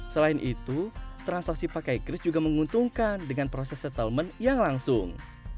selain itu transaksi pakai kris juga menguntungkan dengan proses settlement yang langsung